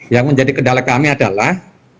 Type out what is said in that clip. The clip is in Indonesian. yang menjadi kendala kami adalah